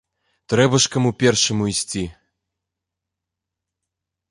Трэба ж каму першаму ісці.